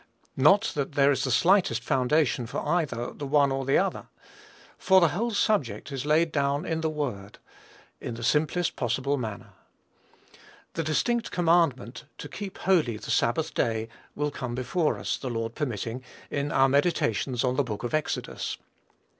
Not that there is the slightest foundation for either the one or the other; for the whole subject is laid down in the Word, in the simplest possible manner. The distinct commandment, to "keep holy the Sabbath day," will come before us, the Lord permitting, in our meditations on the book of Exodus.